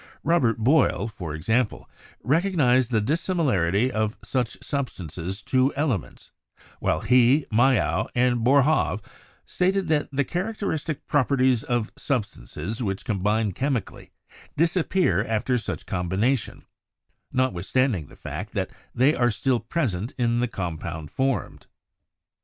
Robert Boyle, for ex ample, recognised the dissimilarity of such substances to elements, while he, Mayow, and Boerhaave stated that the characteristic properties of substances which combine chemically disappear after such combination, notwith standing the fact that they are still present in the com pound formed.